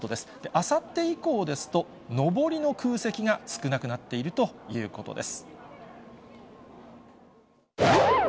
あさって以降ですと、上りの空席が少なくなっているということです。